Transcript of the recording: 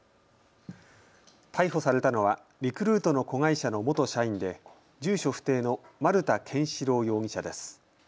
逮捕されたのはリクルートの子会社の元社員で住所不定の丸田憲司朗容疑者です。